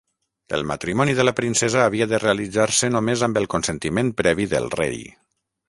El matrimoni de la princesa havia de realitzar-se només amb el consentiment previ del rei.